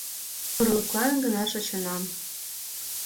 Орлыклан гына шочынам